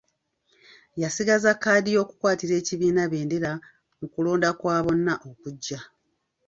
Yasigaza kkaadi y'okukwatira ekibiina bendera mu kulonda kwa bonna okujja.